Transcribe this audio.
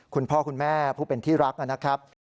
คุณพ่อคุณแม่ผู้เป็นที่รักนะครับ